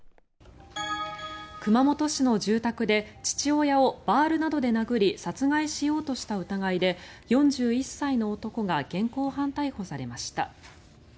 熊本市の住宅で父親をバールなどで殴り殺害しようとした疑いで４１歳の男が現行犯逮捕されました。